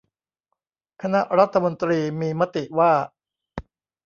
คณะรัฐมนตรีมีมติว่า